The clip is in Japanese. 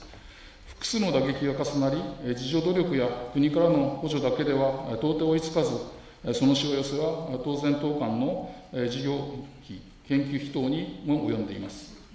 複数の打撃が重なり、自助努力や国からの補助だけでは到底追いつかず、そのしわ寄せは、当然、当館の事業費・研究費等にも及んでいます。